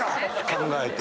考えて。